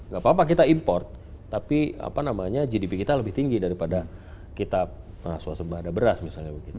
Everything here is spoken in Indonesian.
gak apa apa kita import tapi gdp kita lebih tinggi daripada kita suasembada beras misalnya